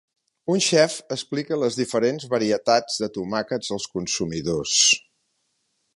Un xef explica les diferents varietats de tomàquets als consumidors.